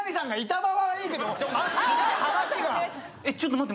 えっ？